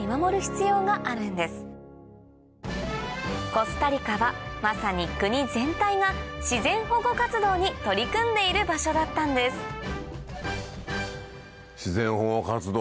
コスタリカはまさに国全体が自然保護活動に取り組んでいる場所だったんです自然保護活動